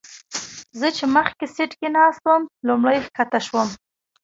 زه چې مخکې سیټ کې ناست وم لومړی ښکته شوم.